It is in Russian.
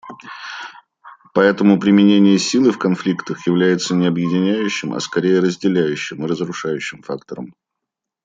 Поэтому применение силы в конфликтах является не объединяющим, а скорее разделяющим и разрушающим фактором.